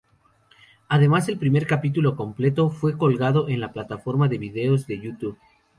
Además, el primer capítulo completo fue colgado en la plataforma de vídeos de YouTube.